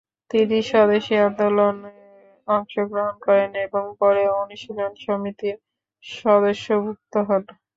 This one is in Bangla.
তিনি স্বদেশী আন্দোলনে অংশগ্রহণ করেন এবং পরে অনুশীলন সমিতির সদস্যভুক্ত হন।